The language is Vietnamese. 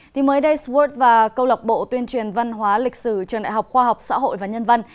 thì mới đây sword và câu lọc bộ tuyên truyền văn hóa lịch sử trường đại học khoa học xã hội và nhân văn